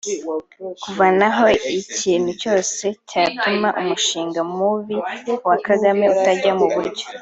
kuvanaho ikintu cyose cyatuma umushinga mubi wa Kagame utajya mu buryo